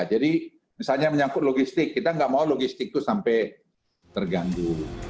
jadi misalnya menyangkut logistik kita nggak mau logistik itu sampai terganggu